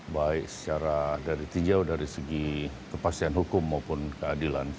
baik secara dari tinjau dari segi kepastian hukum maupun keadilan